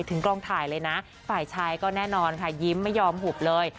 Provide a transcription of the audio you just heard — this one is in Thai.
กองถ่ายเลยนะฝ่ายชายก็แน่นอนค่ะยิ้มไม่ยอมหุบเลย